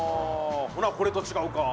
ほなこれと違うか。